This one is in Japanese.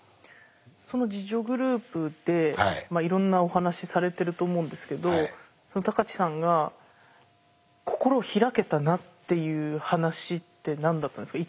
その自助グループでいろんなお話されてると思うんですけど高知さんが心を開けたなっていう話って何だったんですか？